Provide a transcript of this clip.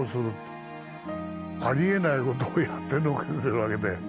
ありえないことをやってのけてるわけで。